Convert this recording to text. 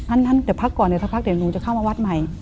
ท่านเดี๋ยวพักก่อนเดี๋ยวสักพักเดี๋ยวหนูจะเข้ามาวัดใหม่